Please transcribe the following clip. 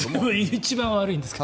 一番悪いんですか。